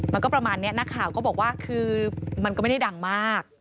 มันก็ประมาณเนี่ยนักข่าวก็บอกว่ามันก็ไม่ได้ดังมาก